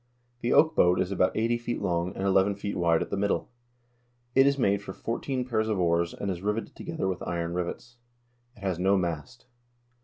The oak boat is about eighty feet long, and eleven feet wide at the middle. It is made for fourteen pairs of oars, and is riveted together with iron rivets. It has no mast.